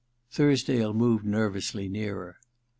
Thursdale moved nervously nearer.